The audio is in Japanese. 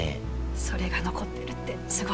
それが残ってるってすごいよね